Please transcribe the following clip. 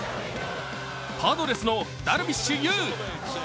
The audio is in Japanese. パドレスのダルビッシュ有。